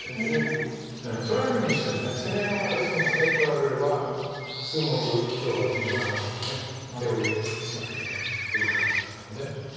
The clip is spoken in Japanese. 取られるにしても攻め合いの形にして取られれば数目黒が地の中に手入れしなきゃいけないという感じだったので。